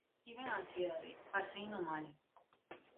Tiven ansiedade, paseino mal...